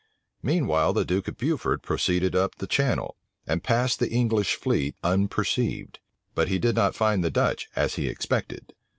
Meanwhile the duke of Beaufort proceeded up the Channel, and passed the English fleet unperceived; but he did not find the Dutch, as he expected.